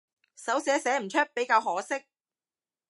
手寫寫唔出比較可惜